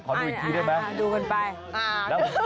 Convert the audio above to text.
ดูอีกทีได้ไหมดูกันไป